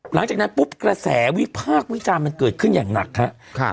หลังจากนั้นปุ๊บกระแสวิพากษ์วิจารณ์มันเกิดขึ้นอย่างหนักครับ